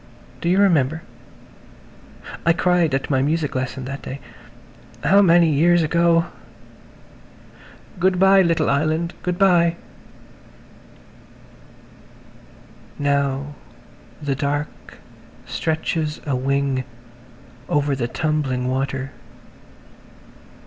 Do you remember? I cried at my music lesson that day–how many years ago ! Good bye, little island, good bye. ..." [Page 144] Now the dark stretches a wing over the tumbling water.